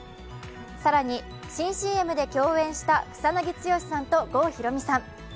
更に新ＣＭで共演した草なぎ剛さんと郷ひろみさん。